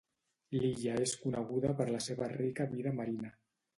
L'illa és coneguda per la seva rica vida marina.